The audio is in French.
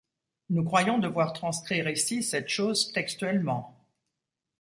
Nous croyons devoir transcrire ici cette chose textuellement.